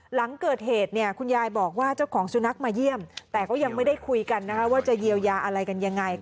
หลังเกิดเหตุเนี่ยคุณยายบอกว่าเจ้าของสุนัขมาเยี่ยมแต่ก็ยังไม่ได้คุยกันนะคะว่าจะเยียวยาอะไรกันยังไง